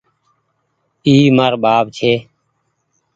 اي مآر ٻآپ ڇي۔